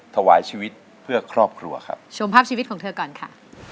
ถวายชีวิตเพื่อครอบครัวครับชมภาพชีวิตของเธอก่อนค่ะ